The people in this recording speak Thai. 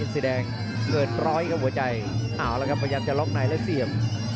สีแดงเกิดร้อยกับหัวใจอ้าวแล้วครับพยายามจะล๊อคในและเสี่ยม